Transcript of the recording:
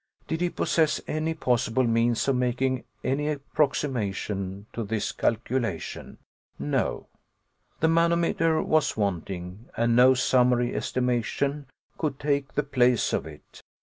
Did he possess any possible means of making any approximation to this calculation? No. The manometer was wanting, and no summary estimation could take the place of it.